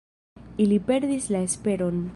Ili perdis la esperon.